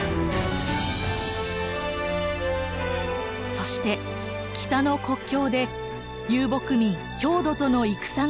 そして北の国境で遊牧民・匈奴との戦が始まります。